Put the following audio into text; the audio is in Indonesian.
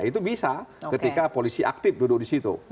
itu bisa ketika polisi aktif duduk di situ